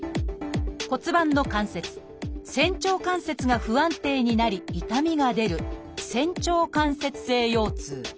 骨盤の関節「仙腸関節」が不安定になり痛みが出る「仙腸関節性腰痛」。